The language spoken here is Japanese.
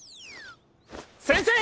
先生！